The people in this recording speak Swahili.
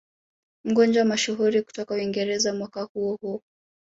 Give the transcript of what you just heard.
Mgonjwa mashuhuri kutoka Uingereza mwaka huo huo